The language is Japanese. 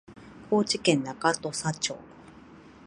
高知県中土佐町